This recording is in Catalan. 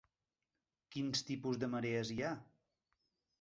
Quins tipus de marees hi ha?